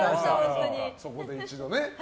そこで一度ね。